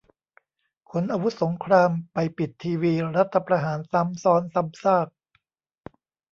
ขนอาวุธสงครามไปปิดทีวี รัฐประหารซ้ำซ้อนซ้ำซาก